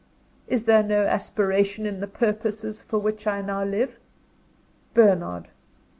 Is there no aspiration in the purposes for which I would now live? Bernard!